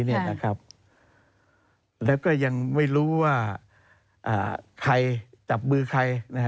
เนี่ยนะครับแล้วก็ยังไม่รู้ว่าอ่าใครจับมือใครนะฮะ